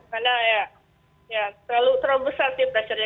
karena ya terlalu besar sih pressure nya